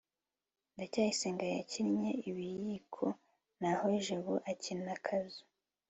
ndacyayisenga yakinnye ibiyiko naho jabo akina kazoo